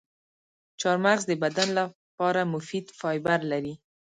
چارمغز د بدن لپاره مفید فایبر لري.